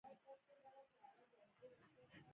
نن بیا کریم جنت په صفر وسوځید، او په ټوله لوبډله بوج شو